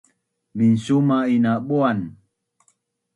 minsuma’in na buan